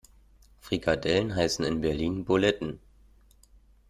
Frikadellen heißen in Berlin Buletten.